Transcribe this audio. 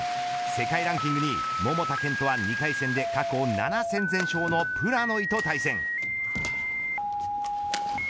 世界ランキング２位、桃田賢斗は２回戦で過去７戦全勝のプラノイと対戦。